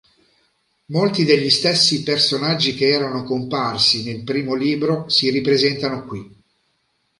Molti degli stessi personaggi che erano comparsi nel primo libro si ripresentano qui.